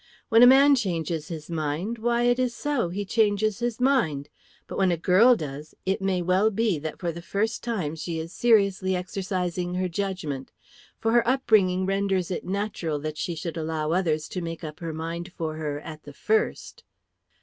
When a man changes his mind, why, it is so, he changes his mind. But when a girl does, it may well be that for the first time she is seriously exercising her judgment. For her upbringing renders it natural that she should allow others to make up her mind for her at the first."